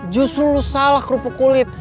justru lu salah kerupuk kulit